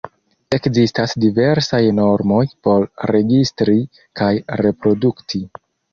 Ekzistas diversaj normoj por registri kaj reprodukti.